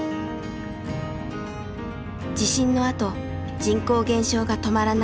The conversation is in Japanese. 地震のあと人口減少が止まらない山古志。